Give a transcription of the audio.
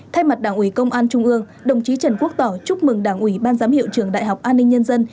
thay mặt đảng ủy công an trung ương đồng chí trần quốc tỏ chúc mừng đảng ủy ban giám hiệu trường đại học an ninh nhân dân